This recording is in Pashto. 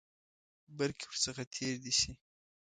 بلکې ورڅخه تېر دي شي.